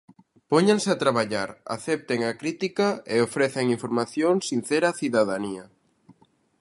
Póñanse a traballar, acepten a crítica e ofrezan información sincera á cidadanía.